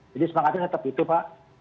jadi semangatnya tetap itu pak